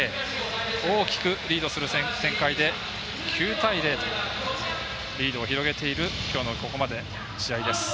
大きくリードする展開で９対０とリードを広げているきょうのここまでの試合です。